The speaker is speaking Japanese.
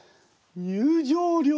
入場料。